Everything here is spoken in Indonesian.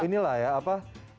inilah ya apa